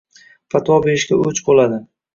fatvo berishga o‘ch bo‘ladi.